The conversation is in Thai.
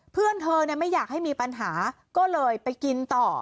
เพื่อนเธอไม่อยากให้มีปัญหาก็เลยไปกินต่อ